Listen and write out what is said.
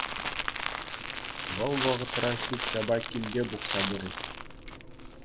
Вӑл вӑхӑтра ҫӳп-ҫапа килте пухса пырӗҫ.